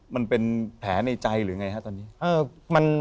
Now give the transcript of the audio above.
มันเป็นแผลในใจหรือไงฮะตอนนี้